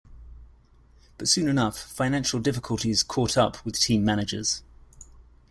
But soon enough financial difficulties caught up with team managers.